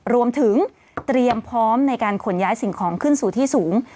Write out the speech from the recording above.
รวมถึงเตรียมพร้อมในการขนย้ายสิ่งของขึ้นสู่ที่สูง